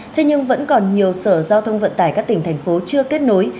thế nhưng vẫn còn nhiều sở giao thông vận tải các tỉnh thành phố chưa kết nối